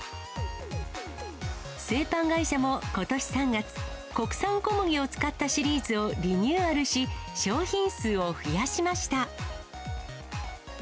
製パン会社もことし３月、国産小麦を使ったシリーズをリニューアルし、商品数を増やしました。